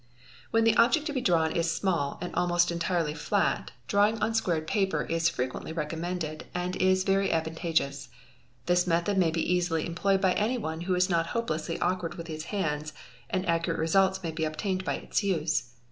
,_ When the object to be drawn is small and almost or entirely flat, fawing on squared paper is frequently recommended and is very advan tageous. This method may be easily employed by anyone who is not 468 DRAWING AND ALLIED ARTS hopelessly awkward with his hands, and accurate results may be ob | tained by its use.